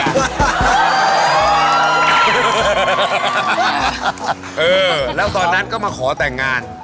เออแล้วตอนนั้นก็มาขอแต่งงาน